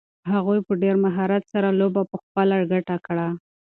هغوی په ډېر مهارت سره لوبه په خپله ګټه کړه.